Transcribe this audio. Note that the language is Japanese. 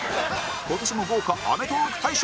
今年も豪華アメトーーク大賞